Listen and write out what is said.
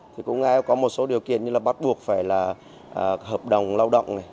thì cũng có một số điều kiện như là bắt buộc phải là hợp đồng lao động này